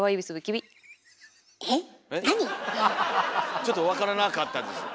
ちょっと分からなかったです。